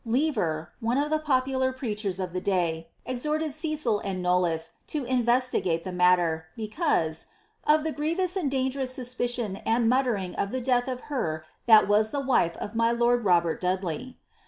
Lever, one of the popular preachers of the day, exhorted Cecil and Knollys to investigate the matter, because ^ of the grievous and dangerous suspicion and muttering of the death of her that was the wife of my lord Robert Dudley."